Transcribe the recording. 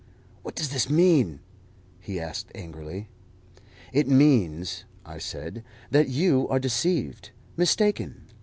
"What does this mean?" he asked angrily. "It means," I said, "that you are deceived mistaken.